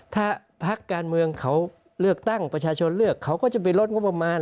ถ้าพักการเมืองเขาเลือกตั้งประชาชนเลือกเขาก็จะไปลดงบประมาณ